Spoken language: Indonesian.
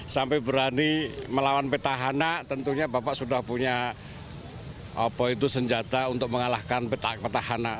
sampai berani melawan petahana tentunya bapak sudah punya senjata untuk mengalahkan petahana